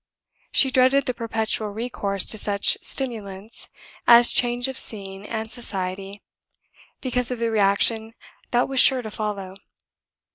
She dreaded the perpetual recourse to such stimulants as change of scene and society, because of the reaction that was sure to follow.